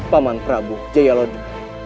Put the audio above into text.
pak man prabowo jaya lodi